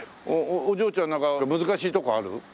お嬢ちゃんなんか難しいところある？